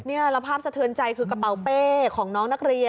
แล้วภาพสะเทือนใจคือกระเป๋าเป้ของน้องนักเรียน